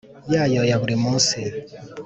Yayo ya buri munsi